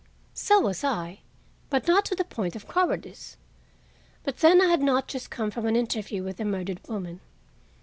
So was I, but not to the point of cowardice. But then I had not just come from an interview with the murdered woman.